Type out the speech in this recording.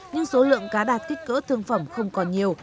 nhưng số lượng cá đạt kích cỡ thương phẩm không còn nhiều